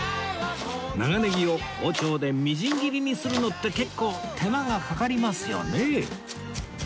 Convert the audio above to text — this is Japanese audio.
長ネギを包丁でみじん切りにするのって結構手間がかかりますよね